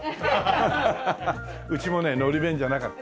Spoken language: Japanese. うちもねのり弁じゃなかった。